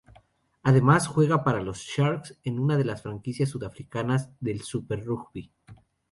Juega además para los Sharks, una de las franquicias sudafricanas del Super Rugby.